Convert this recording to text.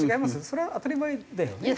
それは当たり前だよね？